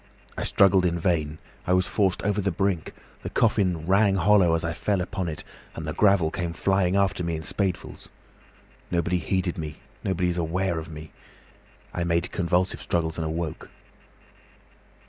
I struggled in vain, I was forced over the brink, the coffin rang hollow as I fell upon it, and the gravel came flying after me in spadefuls. Nobody heeded me, nobody was aware of me. I made convulsive struggles and awoke.